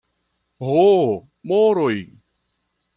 Ho, moroj!